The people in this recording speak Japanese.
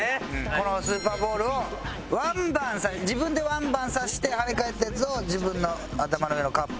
このスーパーボールをワンバン自分でワンバンさせてはね返ったやつを自分の頭の上のカップに入れられたら即帰宅。